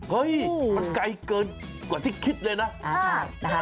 เฮ้ยมันไกลเกินกว่าที่คิดเลยนะ